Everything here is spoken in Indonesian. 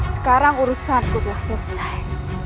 sekarang urusan ku telah selesai